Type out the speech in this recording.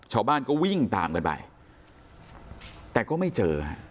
ชาวบ้านก็วิ่งตามกันไปแต่ก็ไม่เจอฮะ